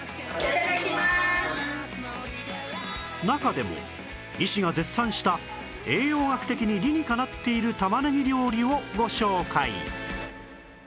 中でも医師が絶賛した栄養学的に理にかなっている玉ねぎ料理をご紹介